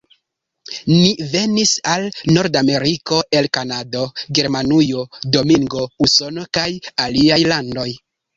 Ni venis al Nord-Ameriko el Kanado, Germanujo, Domingo, Usono, kaj aliaj landoj.